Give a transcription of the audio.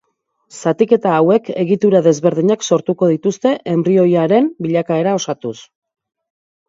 Zatiketa hauek egitura desberdinak sortuko dituzte, enbrioiaren bilakaera osatuz.